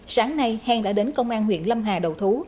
sáng nay heng đã đến công an huyện lâm hà đầu thủ